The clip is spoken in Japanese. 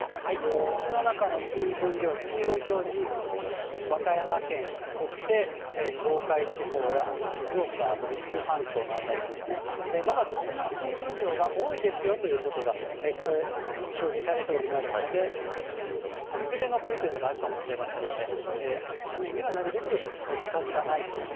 土の中の水分量、黄色い表示、和歌山県、そして東海地方や、あと静岡の伊豆半島の辺りですね、まだ土の水分量が多いですよということが、これ、表示されておりますので、崩れ残りというのがあるかもしれませんので、斜面にはなるべく近づかないと。